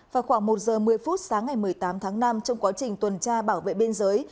vào khoảng một giờ một mươi phút sáng ngày một mươi tám tháng năm trong quá trình tuần tra bảo vệ biên giới